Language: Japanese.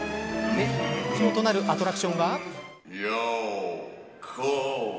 対象となるアトラクションは。